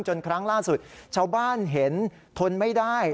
ครั้งล่าสุดชาวบ้านเห็นทนไม่ได้